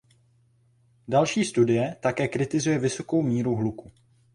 Další studie také kritizuje vysokou míru hluku.